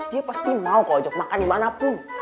dia pasti mau kau ajak makan dimanapun